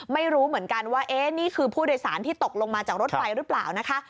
ไม่รู้เหมือนกันว่านี่คือผู้โดยสารที่ตกลงมาจากรถไฟหรือเปล่านะคะ